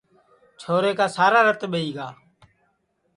چھورے کُا سارا رت ٻئہی گا